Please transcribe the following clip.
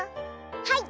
はい。